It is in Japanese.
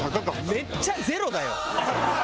めっちゃゼロだよ。